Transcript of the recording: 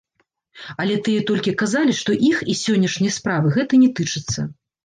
Але тыя толькі казалі, што іх і сённяшняй справы гэта не тычыцца.